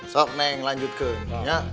coba ini lanjutkan